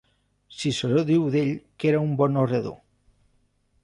Ciceró diu d'ell que era un bon orador.